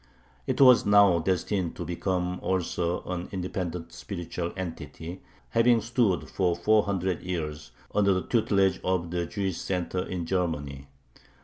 It was now destined to become also an independent spiritual entity, having stood for four hundred years under the tutelage of the Jewish center in Germany.